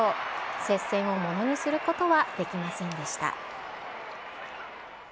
接戦をものにすることはできませんでした。